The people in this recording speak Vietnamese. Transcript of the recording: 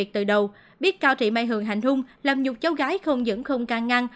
từ đầu biết cao trị mai hường hành hung làm nhục cháu gái không dững không càng ngăn